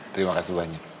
terima kasih banyak